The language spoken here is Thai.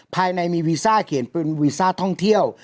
ภายในมีวีซ่าเขียนปืนวีซ่าท่องเที่ยว